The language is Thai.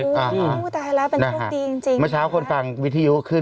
อืมตายแล้วเป็นพวกดีจริงจริงมันฮะนะคะเนี้ยมาเช้าคนฟังวิทิยุขึ้น